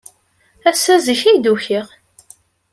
Ass-a, zik ay d-ukiɣ.